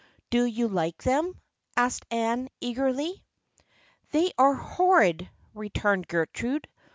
Do you like them? " asked Anne, eagerly. " They are horrid," returned Gertrude.